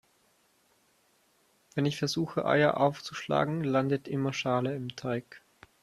Wenn ich versuche Eier aufzuschlagen, landet immer Schale im Teig.